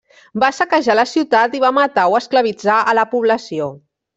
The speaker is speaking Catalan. Va saquejar la ciutat i va matar o esclavitzar a la població.